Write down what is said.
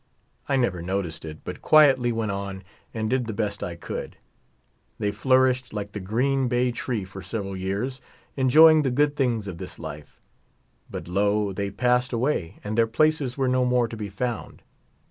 I never noticed it, but quietly went on and did the best I could. They flourished like the green bay tree for several years, enjoying the good things of this life. But lo ! they passed away and their places were no more to be found.